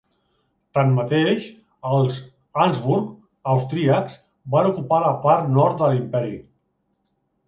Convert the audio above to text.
Tanmateix, els Habsburg austríacs van ocupar la part nord de l'imperi.